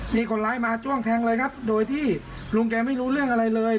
มีคนร้ายมาจ้วงแทงเลยครับโดยที่ลุงแกไม่รู้เรื่องอะไรเลย